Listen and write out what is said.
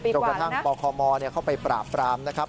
จนกระทั่งปคมเข้าไปปราบปรามนะครับ